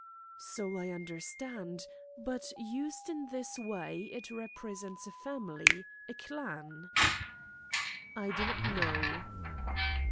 "So I understand, but used in this way it represents a family, a clan?" "I do not know."